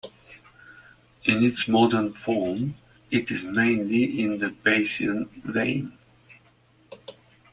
In its modern form, it is mainly in the Bayesian vein.